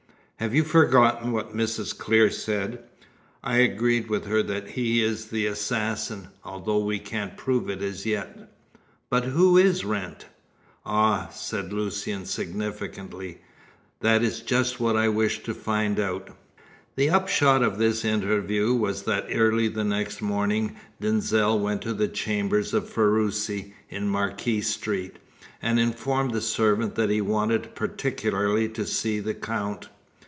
"Have you forgotten what Mrs. Clear said? I agree with her that he is the assassin, although we can't prove it as yet." "But who is Wrent?" "Ah!" said Lucian, significantly, "that is just what I wish to find out." The upshot of this interview was that early the next morning Denzil went to the chambers of Ferruci, in Marquis Street, and informed the servant that he wanted particularly to see the Count.